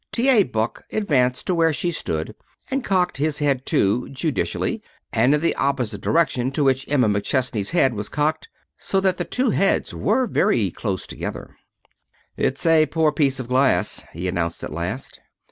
T. A. Buck advanced to where she stood and cocked his head too, judicially, and in the opposite direction to which Emma McChesney's head was cocked. So that the two heads were very close together. "It's a poor piece of glass," he announced at last.